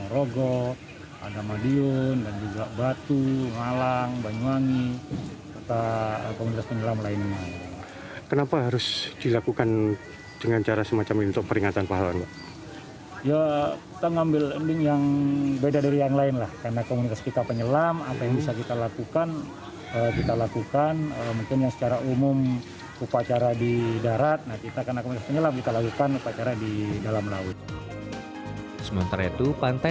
r i di surabaya